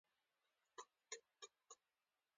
د تا کور چېرته ده او کله راځې